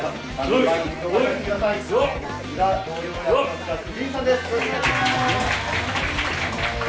よろしくお願いします！